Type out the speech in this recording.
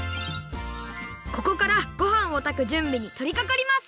ここからごはんをたくじゅんびにとりかかります！